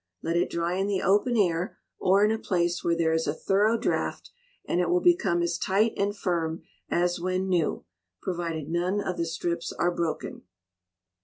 Let it dry in the open air, or in a place where there is a thorough draught, and it will become as tight and firm as when new, provided none of the strips are broken.